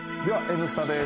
「Ｎスタ」です。